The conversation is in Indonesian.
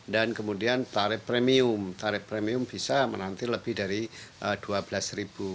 dan kemudian tarif premium tarif premium bisa menanti lebih dari dua belas ribu